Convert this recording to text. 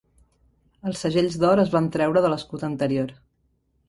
Els segells d'or es van treure de l'escut anterior.